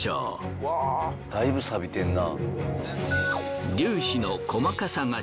だいぶさびてんな。